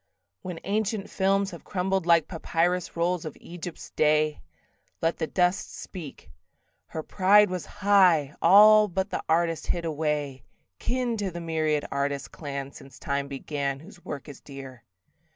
When ancient films have crumbled like Papyrus rolls of Egypt's day, Let the dust speak: "Her pride was high, All but the artist hid away: "Kin to the myriad artist clan Since time began, whose work is dear."